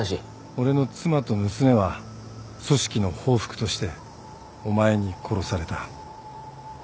俺の妻と娘は組織の報復としてお前に殺された。